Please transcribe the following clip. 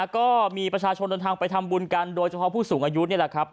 ก็มีประชาชนเดินทางไปทำบุญกันโดยเฉพาะผู้สูงอายุนี่แหละครับ